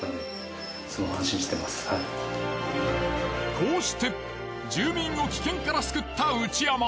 こうして住民を危険から救った内山。